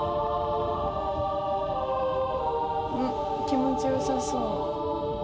気持ちよさそう。